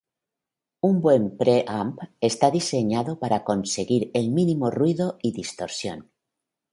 Un buen pre-amp estará diseñado para conseguir el mínimo ruido y distorsión.